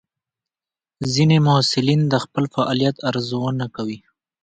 ځینې محصلین د خپل فعالیت ارزونه کوي.